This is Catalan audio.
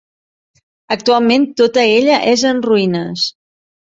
Actualment tota ella és en ruïnes.